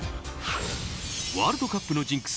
ワールドカップのジンクス